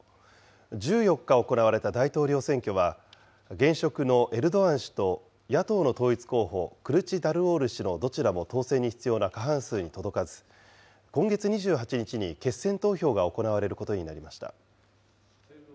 １４日行われた大統領選挙は、現職のエルドアン氏と野党の統一候補、クルチダルオール氏のどちらも当選に必要な過半数に届かず、今月２８日に決選投票が行われることになりました。